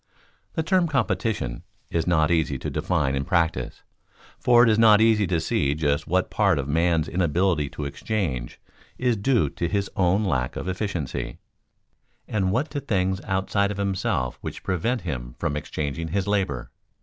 The term competition is not easy to define in practice; for it is not easy to see just what part of a man's inability to exchange is due to his own lack of efficiency, and what to things outside of himself which prevent him from exchanging his labor.